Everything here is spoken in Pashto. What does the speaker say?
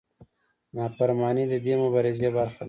نافرماني د دې مبارزې برخه ده.